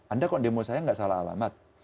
anda kok demo saya nggak salah alamat